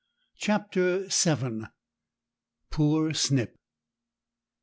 CHAPTER VII. POOR SNIP.